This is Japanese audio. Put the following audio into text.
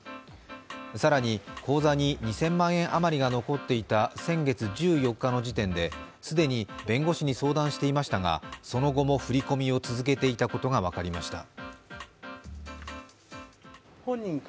更に、口座に２０００万円余りが残っていた先月１４日の時点で既に弁護士に相談していましたが、その後も振り込みを続けていたことが分かりました。